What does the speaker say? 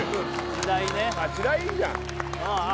「時代」いいじゃんああ